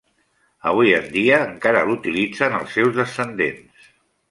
Avui en dia encara l'utilitzen els seus descendents.